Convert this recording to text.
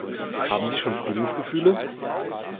Haben Sie schon Frühlingsgefühle?